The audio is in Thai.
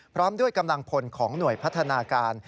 พร้อมด้วยกำลังพลของหน่วยพัฒนาการ